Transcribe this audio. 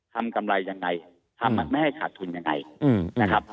กำไรยังไงทำไม่ให้ขาดทุนยังไงนะครับ